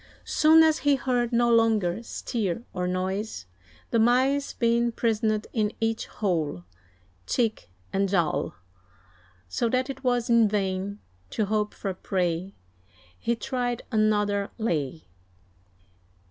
Soon as he heard no longer stir or noise, The mice being prisoned in each hole, Cheek and jowl; So that it was in vain to hope for prey, He tried another "lay."